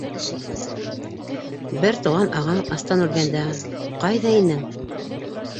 Бер туған ағаң астан үлгәндә, ҡайҙа инең?